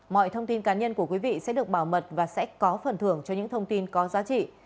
mọi thông tin cá nhân của quý vị sẽ được bảo mật và sẽ có phần thưởng cho những thông tin có giá trị